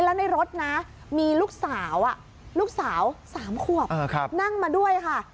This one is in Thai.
แล้วในรถนะมีลูกสาวลูกสาว๓ขวบนั่งมาด้วยค่ะ